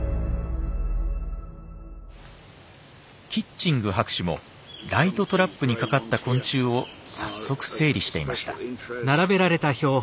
キッチング博士もライトトラップに掛かった昆虫を早速整理していました。